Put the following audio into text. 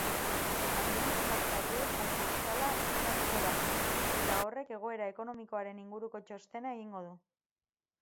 Administrazaile konkurtsala izendatuko da, eta horrek egoera ekonomikoaren inguruko txostena egingo du.